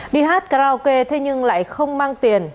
đi hát karaoke thế nhưng lại không mang tiền